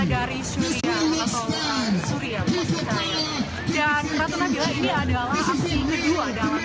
dan ratu nabila ini adalah aksi kedua dalam sepekan untuk dolan kedatangan kita